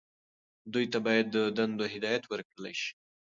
دوی ته باید د دندو هدایت ورکړل شي.